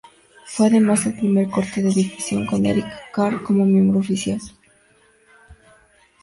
Fue además el primer corte de difusión con Eric Carr como miembro oficial.